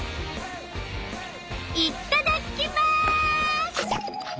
いっただきます！